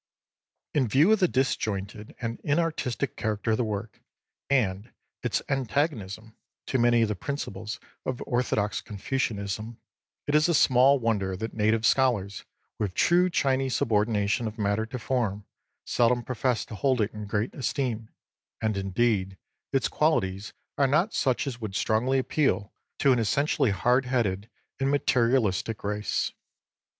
In view of the disjointed and inartistic character of the work, and its antagonism to 13 many of the principles of orthodox Confucianism, it is small wonder that native scholars, with true Chinese subordination of matter to form, seldom profess to hold it in great esteem ; and, indeed, its qualities are not such as would strongly appeal to an essentially hard headed and materialistic race.